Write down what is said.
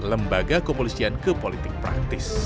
sebagai kepolisian kepolitik praktis